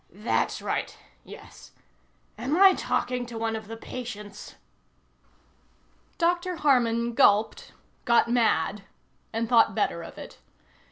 "That's right. Yes. Am I talking to one of the patients?" Dr. Harman gulped, got mad, and thought better of it.